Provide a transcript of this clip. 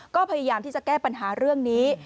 ก็พยายามที่จะแก้ปัญหาเรื่องนี้